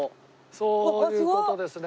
そういう事ですね。